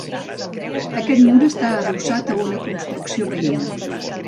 Aquest mur està adossat a una construcció veïna.